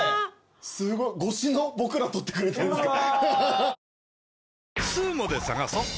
すごい越しの僕ら撮ってくれてるんですか。